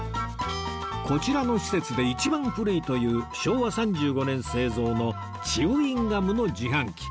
こちらの施設で一番古いという昭和３５年製造のチウインガムの自販機